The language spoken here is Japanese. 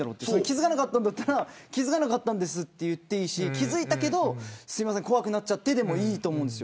気付かなかったんだったら気付かなかったと言っていいし気付いたけどすいません、怖くなっちゃってでいいと思うんです。